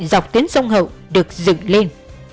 dọc tuyến sông hậu được dựng lên